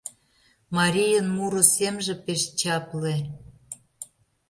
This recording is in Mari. Марийын муро семже пеш чапле.